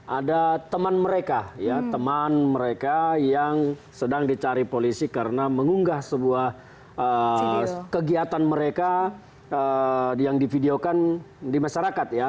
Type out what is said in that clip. ada teman mereka ya teman mereka yang sedang dicari polisi karena mengunggah sebuah kegiatan mereka yang divideokan di masyarakat ya